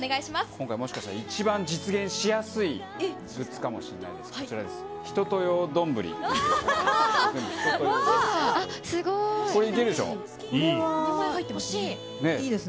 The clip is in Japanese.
今回もしかしたら、一番実現しやすいグッズかもしれないです。